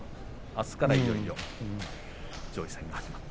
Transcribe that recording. あすからいよいよ上位戦が始まります。